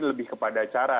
lebih kepada cara